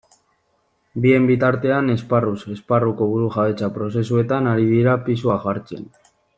Bien bitartean, esparruz esparruko burujabetza prozesuetan ari dira pisua jartzen.